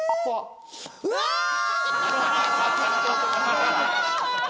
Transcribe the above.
うわーっ！